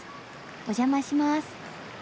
お邪魔します。